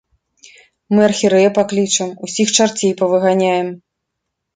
Мы архірэя паклічам, усіх чарцей павыганяем.